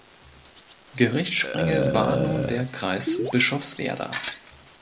Gerichtssprengel war nun der Kreis Bischofswerda.